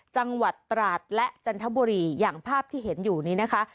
จังหวัดตราดและจันทบุรีอย่างภาพที่เห็นอยู่นี้นะคะ